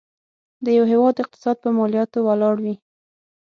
د یو هيواد اقتصاد په مالياتو ولاړ وي.